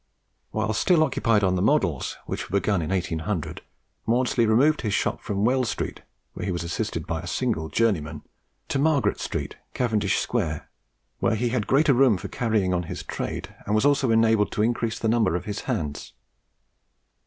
While still occupied on the models, which were begun in 1800, Maudslay removed his shop from Wells street, where he was assisted by a single journeyman, to Margaret street, Cavendish square, where he had greater room for carrying on his trade, and was also enabled to increase the number of his hands.